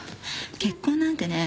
結婚なんてね